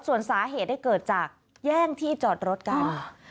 ส่วนสาเหตุได้เกิดจากแย่งที่จอดรถกัน